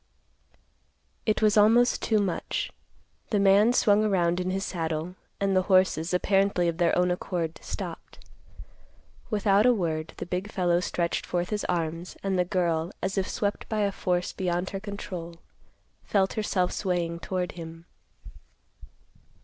It was almost too much. The man swung around in his saddle, and the horses, apparently of their own accord, stopped. Without a word, the big fellow stretched forth his arms, and the girl, as if swept by a force beyond her control, felt herself swaying toward him.